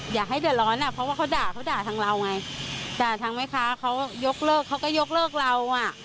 อย่าให้เดือดร้อนอ่ะเพราะว่าเขาด่าเขาด่าทางเราไงด่าทางแม่ค้าเขายกเลิกเขาก็ยกเลิกเราอ่ะ